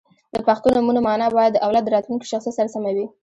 • د پښتو نومونو مانا باید د اولاد د راتلونکي شخصیت سره سمه وي.